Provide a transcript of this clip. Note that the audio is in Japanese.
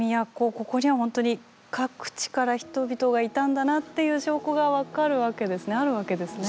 ここにはほんとに各地から人々がいたんだなっていう証拠が分かるわけですねあるわけですね。